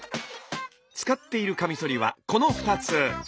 使っているカミソリはこの２つ。